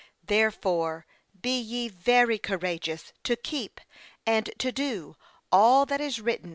therefore be ye very courageous to keep and to do all that is written 289 23.